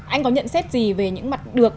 anh có nhận xét gì về những mặt được